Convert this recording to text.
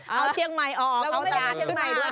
เอาเชียงใหม่ออกเอาตราดเราไม่ได้ไปเชียงใหม่ด้วยไปตราดน่ะ